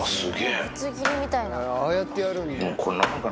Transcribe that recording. ああやってやるんだ。